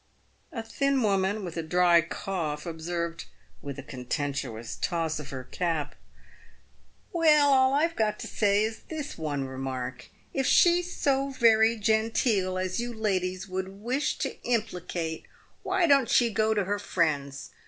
A thin woman, with a dry cough, observed, with a contemptuous toss of her cap, " "Well, all I've got to say is this one remark : If she's so very genteel as you ladies would wish to implicate, why don't she go to her friends